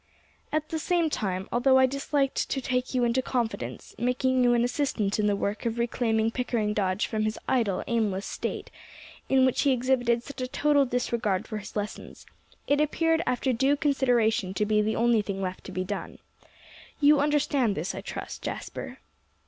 "At the same time, although I disliked to take you into confidence, making you an assistant in the work of reclaiming Pickering Dodge from his idle, aimless state, in which he exhibited such a total disregard for his lessons, it appeared after due consideration to be the only thing left to be done. You understand this, I trust, Jasper."